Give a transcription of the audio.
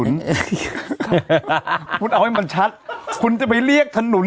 คุณเอาให้มันชัดคุณจะไปเรียกถนน